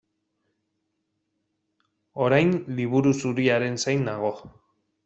Orain Liburu Zuriaren zain nago.